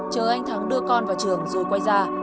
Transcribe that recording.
chờ anh thắng đưa con vào trường rồi quay ra